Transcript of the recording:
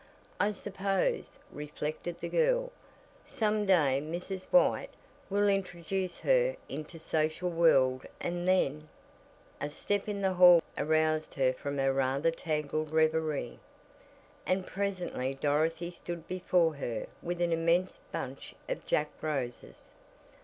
I suppose," reflected the girl, "some day Mrs. White will introduce her into her social world and then " A step in the hall aroused her from her rather tangled reverie, and presently Dorothy stood before her with an immense bunch of "Jack" roses.